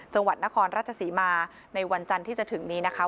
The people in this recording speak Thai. จังหวัดนครราชศรีมาในวันจันทร์ที่จะถึงนี้นะคะ